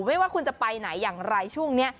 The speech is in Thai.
ไม่ว่าคุณจะไปไหนอย่างไรช่วงนี้